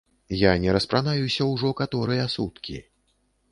Я не распранаюся ўжо каторыя суткі.